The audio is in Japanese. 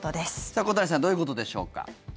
さあ、小谷さんどういうことでしょうか。